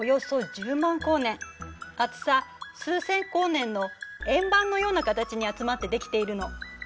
光年厚さ数千光年の円盤のような形に集まってできているの。